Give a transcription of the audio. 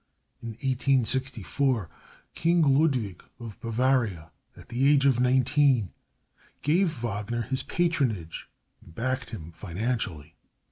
In 1864 King Ludwig of Bavaria, at the age of nineteen, gave Wagner his patronage, and backed him financially.